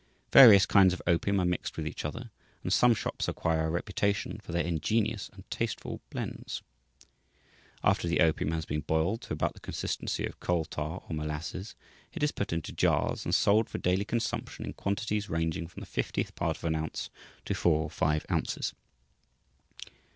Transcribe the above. Various kinds of opium are mixed with each other, and some shops acquire a reputation for their ingenious and tasteful blends. After the opium has been boiled to about the consistency of coal tar or molasses, it is put into jars and sold for daily consumption in quantities ranging from the fiftieth part of an ounce to four or five ounces.